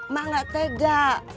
ma ga tega